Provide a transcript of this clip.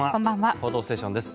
「報道ステーション」です。